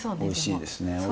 おいしいですね。